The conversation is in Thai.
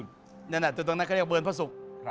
ตรงนั้นเขาเรียกว่าเวิร์นพระศุกร์